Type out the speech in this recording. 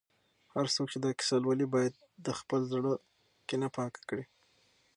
هر څوک چې دا کیسه لولي، باید د خپل زړه کینه پاکه کړي.